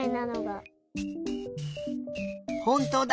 ほんとうだ！